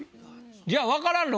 じゃあ分からん